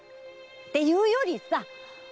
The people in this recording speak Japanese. っていうよりさ！